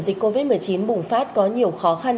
dịch covid một mươi chín bùng phát có nhiều khó khăn